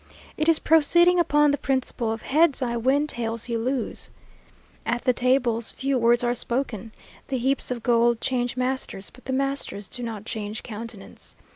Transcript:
It is proceeding upon the principle of "Heads I win, tails you lose." At the tables, few words are spoken. The heaps of gold change masters; but the masters do not change countenance.